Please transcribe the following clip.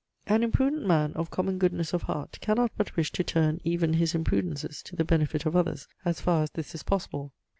An imprudent man of common goodness of heart cannot but wish to turn even his imprudences to the benefit of others, as far as this is possible.